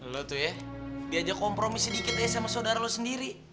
lo tuh ya diajak kompromi sedikit ya sama saudara lo sendiri